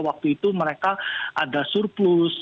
waktu itu mereka ada surplus